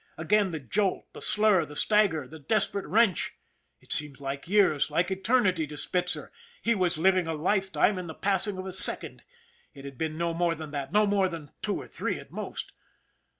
Again the jolt, the slur, the stagger, the desperate wrench. It seemed like years, like eternity to Spitzer. He was living a lifetime in the passing of a second it had been no more than that, no more than two or three at most.